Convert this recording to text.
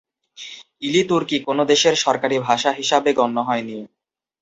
ইলি তুর্কি কোন দেশের সরকারী ভাষা হিসাবে গণ্য হয়নি।